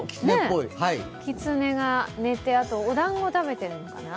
きつねが寝て、あとおだんご食べてるのかな？